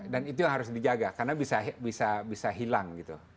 dan itu yang harus dijaga karena bisa hilang